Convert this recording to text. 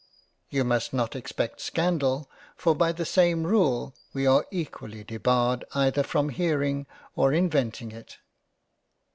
You must not expect scandal for by the same rule we are equally debarred either from hearing or inventing it.